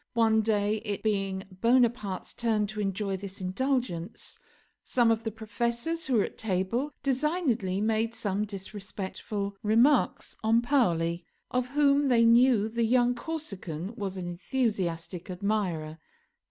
One day, it being Bonaparte's turn to enjoy this indulgence, some of the professors who were at table designedly made some disrespectful remarks on Paoli, of whom they knew the young Corsican was an enthusiastic admirer.